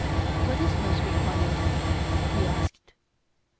What is most required? he asked.